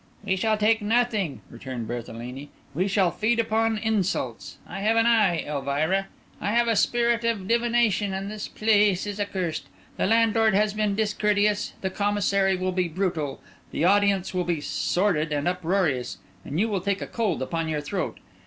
"We shall take nothing," returned Berthelini; "we shall feed upon insults. I have an eye, Elvira: I have a spirit of divination; and this place is accursed. The landlord has been discourteous, the Commissary will be brutal, the audience will be sordid and uproarious, and you will take a cold upon your throat.